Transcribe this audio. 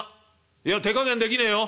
「いや手加減できねえよ」。